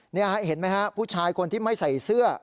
เห็นไหมฮะผู้ชายคนที่ไม่ใส่เสื้อ